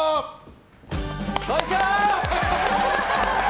こんにちは！